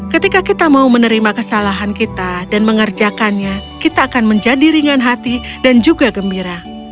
ketika kita mau menerima kesalahan kita dan mengerjakannya kita akan menjadi ringan hati dan juga gembira